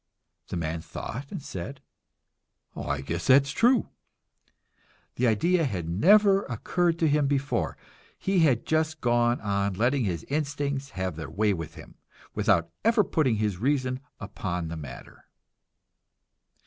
The man thought and said, "I guess that's true." The idea had never occurred to him before; he had just gone on letting his instincts have their way with him, without ever putting his reason upon the matter.